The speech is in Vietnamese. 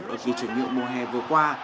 ở kỳ chuyển nhượng mùa hè vừa qua